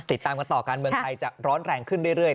ติดตามกันต่อการเมืองไทยจะร้อนแรงขึ้นเรื่อย